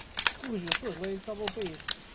Corrigiu suas leis e salvou o país.